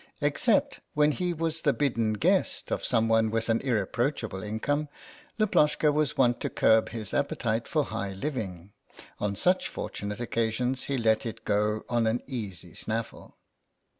(Except when he was the bidden guest of some one with an irreproachable income, Laploshka was wont to curb his appetite for high living; on such fortunate occasions he let it go on an easy snaffle.)